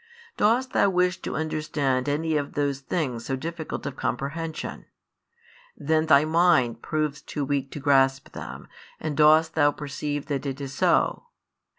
Dost thou wish to understand any of those things so difficult of comprehension? Then thy mind proves too weak to grasp them, and dost thou perceive that it is so?